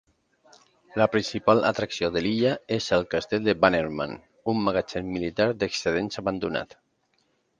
La principal atracció de l'illa és el castell de Bannerman, un magatzem militar d'excedents abandonat.